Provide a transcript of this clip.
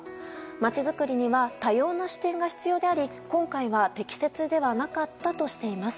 まちづくりには多様な視点が必要であり今回は適切ではなかったとしています。